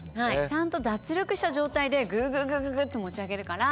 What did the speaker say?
ちゃんと脱力した状態でぐぐぐぐっと持ち上げるから。